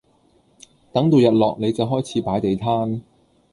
等到日落你就開始擺地攤